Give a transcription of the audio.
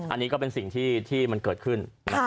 อันนี้ก็เป็นสิ่งที่มันเกิดขึ้น